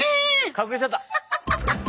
隠れちゃった！